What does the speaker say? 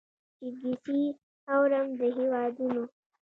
چي کیسې اورم د هیوادونو